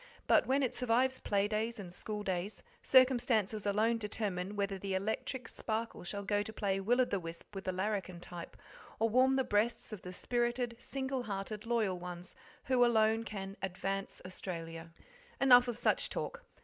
But when it survives play days and school days, circumstances alone determine whether the electric sparkle shall go to play will o' the wisp with the larrikin type, or warm the breasts of the spirited, single hearted, loyal ones who alone can "advance Australia." Enough of such talk.